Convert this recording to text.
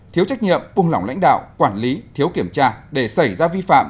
thiếu trách nhiệm buông lỏng lãnh đạo quản lý thiếu kiểm tra để xảy ra vi phạm